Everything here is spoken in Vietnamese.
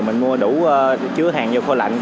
mình mua đủ chứa hàng vô khô lạnh